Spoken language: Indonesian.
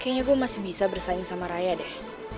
kayaknya gue masih bisa bersaing sama raya deh